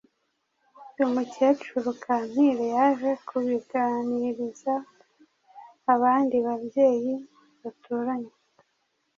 Uyu mukecuru Kampire yaje kubiganiriza abandi babyeyi baturanye,